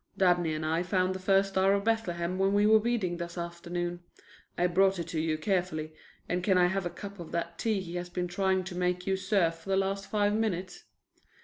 "Dabney and I found the first Star of Bethlehem when we were weeding this afternoon. I brought it to you carefully, and can I have a cup of that tea he has been trying to make you serve for the last five minutes?"